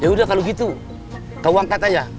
ya udah kalau gitu kau angkat aja